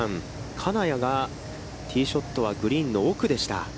金谷がティーショットはグリーンの奥でした。